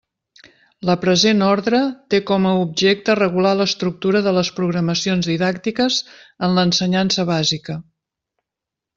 La present orde té com a objecte regular l'estructura de les programacions didàctiques en l'ensenyança bàsica.